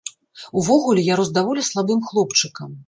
Увогуле, я рос даволі слабым хлопчыкам.